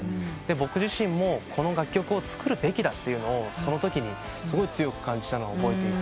僕自身もこの楽曲を作るべきだというのをそのときにすごい強く感じたのを覚えていて。